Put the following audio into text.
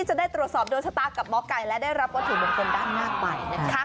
จะได้ตรวจสอบโดนชะตากับหมอไก่และได้รับวัตถุมงคลด้านหน้าไปนะคะ